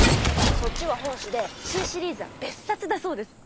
そっちは本誌で新シリーズは別冊だそうです。